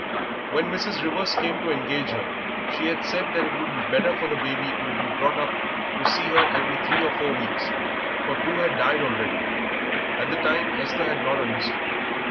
When Mrs. Rivers came to engage her she had said that it would be better for the baby to be brought to see her every three or four weeks, for two had died already. At the time Esther had not understood.